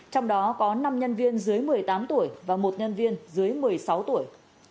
trong đó có năm nhân viên dưới một mươi tám tuổi và một nhân viên dưới một mươi sáu tuổi